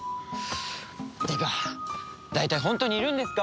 っていうか大体ホントにいるんですか？